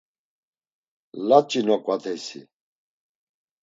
“Laç̌i noǩvateysi?”